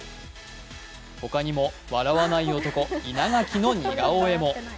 他にも笑わない男・稲垣の似顔絵も。